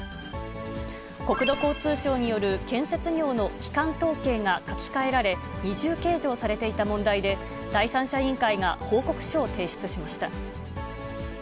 国土交通省による建設業の基幹統計が書き換えられ、二重計上されていた問題で、第三者委員会が報告書を提出しました。